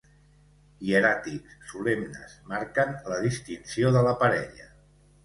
Hieràtics, solemnes, marquen la distinció de la parella.